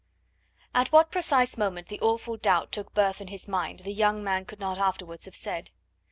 At what precise moment the awful doubt took birth in his mind the young man could not afterwards have said.